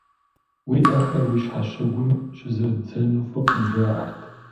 Уи ӏэхэр уи щхьэщыгум щызэрыбдзэну фӏыкъым жаӏэрт.